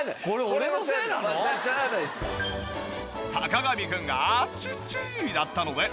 これ俺のせいなの？